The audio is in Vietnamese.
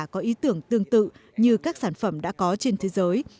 có ý tưởng tương tự như các sản phẩm đã có trên thế giới